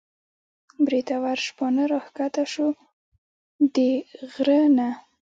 بریتور شپانه راکښته شو د غر نه